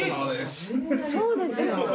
そうですよ。